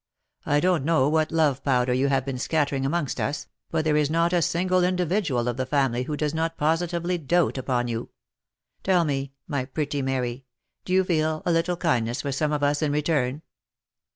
I don't know what love powder you have been scattering amongst us, but there is not a single individual of the family who does not positively dote upon you. Tell me, my pretty Mary, do you feel a little kindness for some of us in return